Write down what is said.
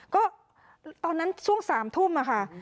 ก็ตอนนั้นช่วง๓ทุ่มค่ะ